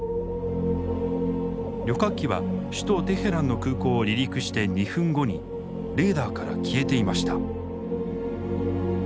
旅客機は首都テヘランの空港を離陸して２分後にレーダーから消えていました。